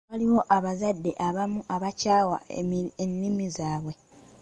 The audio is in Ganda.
Waliwo abazadde abamu abakyawa ennimi zaabwe.